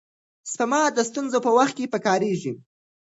سپما د ستونزو په وخت کې پکارېږي.